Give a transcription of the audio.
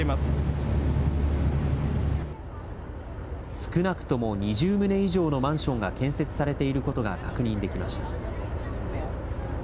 少なくとも２０棟以上のマンションが建設されていることが確認できました。